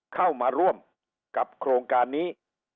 เข้ามาร่วมกับโครงการนี้